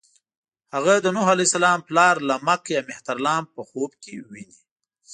هغه د نوح علیه السلام پلار لمک یا مهترلام په خوب کې ويني.